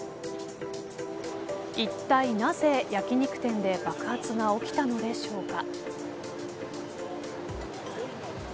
いったいなぜ焼き肉店で爆発が起きたのでしょうか。